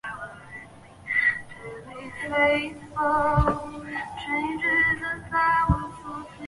本音乐会共设室内及室外两个舞台。